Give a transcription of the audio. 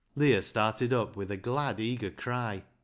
Leah started up, with a glad, eager cry.